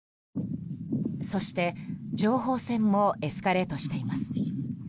そして、情報戦もエスカレートしています。